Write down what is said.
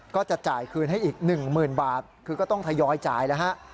ก็จะจ่ายคืนให้อีก๑๐๐๐บาทคือก็ต้องทยอยจ่ายแล้วฮะ